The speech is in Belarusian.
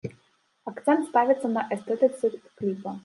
Акцэнт ставіцца на эстэтыцы кліпа.